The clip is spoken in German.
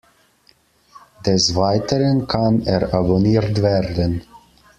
Des Weiteren kann er abonniert werden.